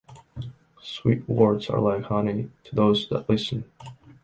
Sweet words are like honey to those that listen.